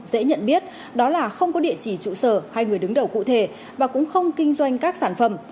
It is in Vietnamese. dễ nhận biết đó là không có địa chỉ trụ sở hay người đứng đầu cụ thể và cũng không kinh doanh các sản phẩm